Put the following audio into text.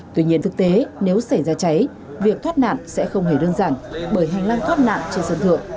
tuy nhiên thực tế nếu xảy ra cháy việc thoát nạn sẽ không hề đơn giản bởi hành lang thoát nạn trên sân thượng